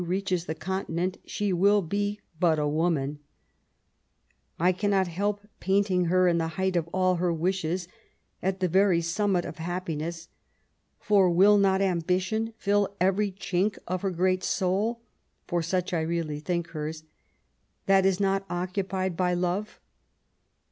reaches the Oontinent she will be but a woman I I cannot help painting her in the height of all her wishes, at the rery summit of happiness, for will not ambition fiU every chink of her great soul (for such I really think hers) that is not occupied by loye